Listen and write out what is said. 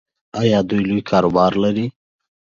ایا دوی لوی کاروبار لري؟